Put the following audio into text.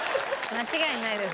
間違いないです